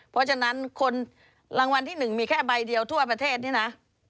เพราะฉะนั้นคนรางวัลที่๑มีแค่ใบเดียวทั่วประเทศนี้นะ